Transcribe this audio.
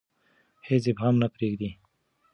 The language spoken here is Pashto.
هیڅ ابهام نه پریږدي.